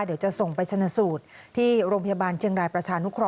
เดี๋ยวจะส่งไปชนะสูตรที่โรงพยาบาลเชียงรายประชานุเคราะ